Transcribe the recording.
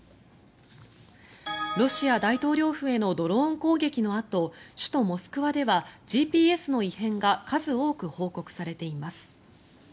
ロシア大統領府へのドローン攻撃のあと首都モスクワではＧＰＳの異変が数多く報告されています。